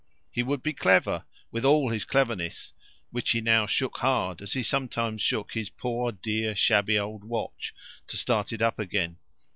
He would be clever with all his cleverness which he now shook hard, as he sometimes shook his poor dear shabby old watch, to start it up again.